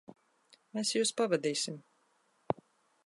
Mēs jūs pavadīsim.